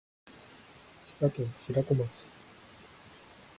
千葉県白子町